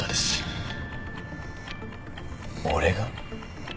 俺が？